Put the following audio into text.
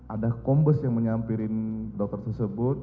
ada kombes yang menyampirin dokter tersebut